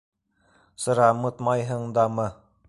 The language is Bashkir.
- Сырамытмайһың дамы?